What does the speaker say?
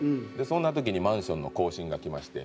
そんな時にマンションの更新がきまして。